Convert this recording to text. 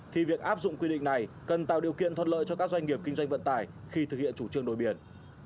thì việc áp dụng quy định này cần tạo điều kiện thuận lợi cho các doanh nghiệp kinh doanh vận tải khi thực hiện chủ trương đổi biển